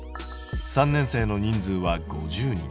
３年生の人数は５０人。